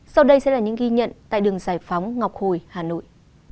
sau đây sẽ là những ghi nhận tại đường giải phóng ngọc hồi hà nội